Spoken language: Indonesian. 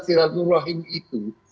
siratu rahim itu